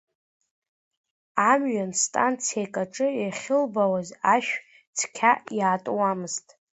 Амҩан станциак аҿы иахьылбаауаз, ашә цқьа иаатуамызт.